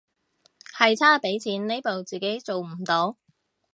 係差畀錢呢步自己做唔到